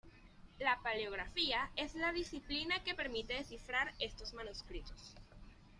La paleografía es la disciplina que permite descifrar estos manuscritos.